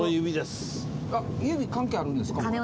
あっ指関係あるんですか？